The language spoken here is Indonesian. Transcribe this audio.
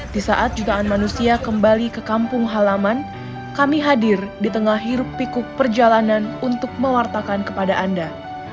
di saat jutaan manusia kembali ke kampung halaman kami hadir di tengah hirup pikuk perjalanan untuk mewartakan kepada anda